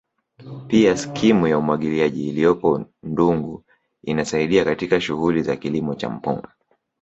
Pia skimu ya umwagiliaji iliyopo Ndungu inasaidia katika shughuli za kilimo cha mpunga